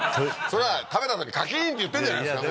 それは食べたときカキーンって言ってんじゃないですか？